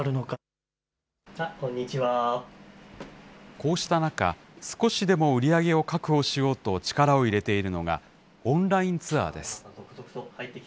こうした中、少しでも売り上げを確保しようと力を入れているのが、オンラインツアーです。